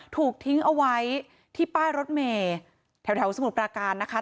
ถูกทิ้งเอาไว้ที่ป้ายรถเมย์แถวสมุทรปราการนะคะ